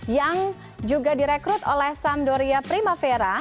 yang juga direkrut oleh samdoria primavera